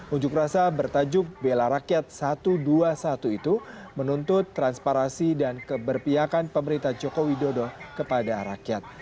unjuk rasa bertajuk bela rakyat satu ratus dua puluh satu itu menuntut transparasi dan keberpiakan pemerintah joko widodo kepada rakyat